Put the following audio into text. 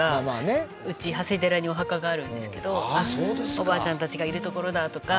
うち長谷寺にお墓があるんですけどおばあちゃんたちがいる所だとか。